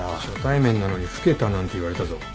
初対面なのに「老けた」なんて言われたぞ。